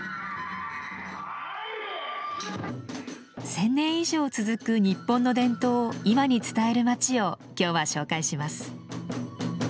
千年以上続く日本の伝統を今に伝える街を今日は紹介します。